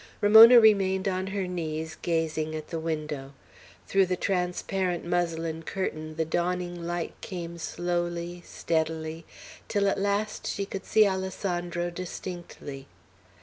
Ramona remained on her knees, gazing at the window. Through the transparent muslin curtain the dawning light came slowly, steadily, till at last she could see Alessandro distinctly.